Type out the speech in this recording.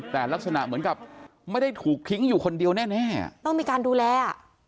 แต่ลักษณะเหมือนกับไม่ได้ถูกทิ้งอยู่คนเดียวแน่แน่ต้องมีการดูแลอ่ะ